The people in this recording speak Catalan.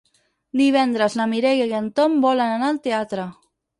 Divendres na Mireia i en Tom volen anar al teatre.